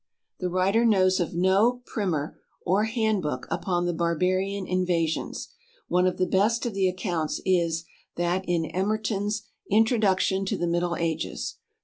The writer knows of no primer or handbook upon the barbarian invasions. One of the best of the accounts is that in Emerton's "Introduction to the Middle Ages."